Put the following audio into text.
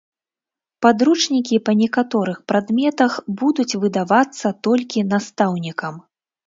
Падручнікі па некаторых прадметах будуць выдавацца толькі настаўнікам.